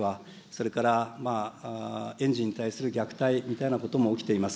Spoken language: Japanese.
それから、園児に対する虐待みたいなことも起きています。